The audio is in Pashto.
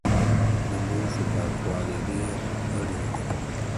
د لوښو پاکوالی ډېر اړین دی.